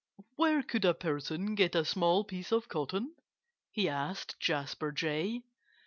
"Where could a person get a small piece of cotton?" he asked Jasper Jay.